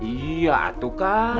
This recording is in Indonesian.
iya tuh kang